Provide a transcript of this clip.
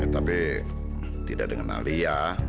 tapi tidak dengan alia